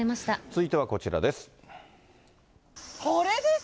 続いてはこちらです。